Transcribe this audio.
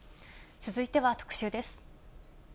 続いては特集です。